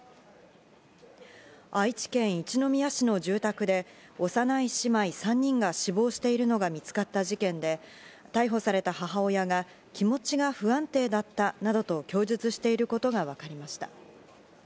愛知県一宮市の住宅で幼い姉妹３人が死亡しているのが見つかった事件で、逮捕された母親が、気持ちが不安定だったなどと供述していることがわかりました。